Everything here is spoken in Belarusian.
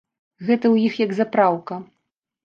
Гэта ў іх як запраўка.